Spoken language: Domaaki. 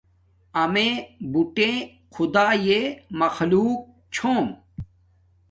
امݺ بُٹݺ خدݳئݺ مخلݸق چھݸم.